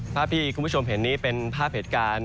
ภาพที่คุณผู้ชมเห็นนี้เป็นภาพเหตุการณ์